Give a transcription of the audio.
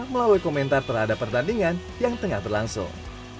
melalui komentar terhadap pertandingan yang tengah berlangsung